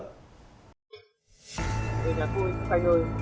thưa nhà tôi anh ơi